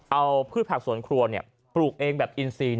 เอาพืชผักสวนครัวปลูกเองแบบอินซี